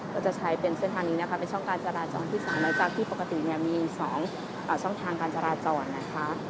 ก็จะใช้เป็นเส้นทางนี้นะคะเป็นช่องการจราจรที่สามารถที่ปกติเนี่ยมีอยู่๒ช่องทางการจราจรนะคะ